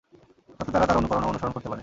যাতে তারা তাঁর অনুকরণ ও অনুসরণ করতে পারে।